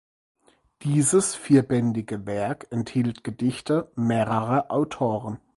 Dieses vierbändige Werk enthielt Gedichte mehrerer Autoren.